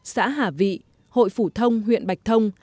xã hà vị hội phủ thông huyện bạch thông